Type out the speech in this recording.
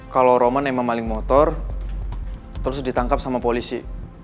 kalau roman emang maling motor terus ditangkap sama polisi